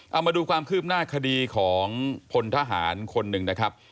เอามาดูความคืบหน้าคดีของพลทหารคนหนึ่งนะครับ